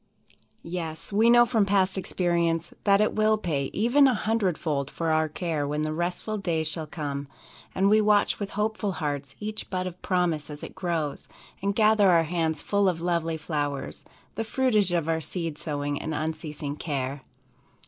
Yes, we know from past experience that it will pay even a hundred fold for all our care when the restful days shall come, and we watch with hopeful hearts each bud of promise as it grows, and gather our hands full of lovely flowers, the fruitage of our seed sowing and unceasing care.